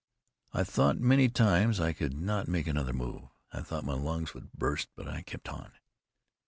I thought many times I could not make another move; I thought my lungs would burst, but I kept on.